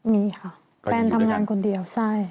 มีค่ะแปลนทำงานคนเดียว